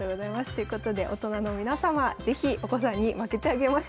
ということで大人の皆様是非お子さんに負けてあげましょう。